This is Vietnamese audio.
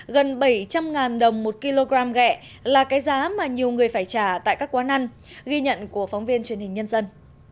gần bảy trăm linh đồng một kg gẹ là cái giá mà nhiều người phải trả tại các quán ăn ghi nhận của phóng viên truyền hình nhân dân